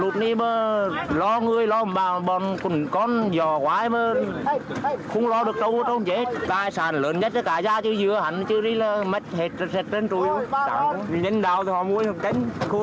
tài sản lớn nhất là cả nhà chưa vừa hành chưa biết là mất hết trên truyền